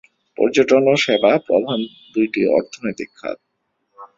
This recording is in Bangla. পর্যটন ও সেবা প্রধান দুইটি অর্থনৈতিক খাত।